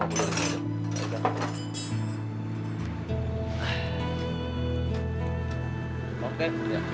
oke ya makasih banyak